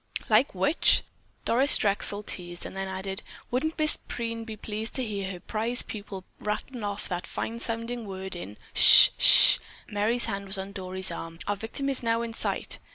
"Like which?" Doris Drexel teased; then added: "Wouldn't Miss Preen be pleased to hear her prize pupil rattle off that fine sounding word in——" "Ssh! Ssh!" Merry's hand was on Dory's arm. "Our victim is now in sight.